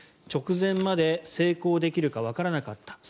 直前まで成功できるかわからなかった。